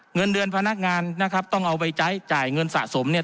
เงินเดือนพนักงานนะครับต้องเอาไปใช้จ่ายเงินสะสมเนี่ย